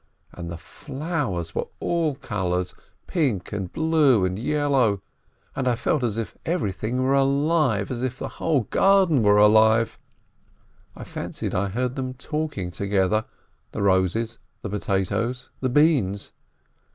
And the flow ers were all colors — pink and blue and yellow, and 1 felt as if everything were alive, as if the whole garden were alive — I fancied I heard them talking together, the roses, the potatoes, the beans.